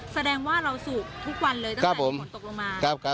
แสดงว่าเราสูบทุกวันเลยตั้งแต่มีฝนตกลงมา